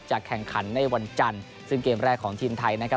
แข่งขันในวันจันทร์ซึ่งเกมแรกของทีมไทยนะครับ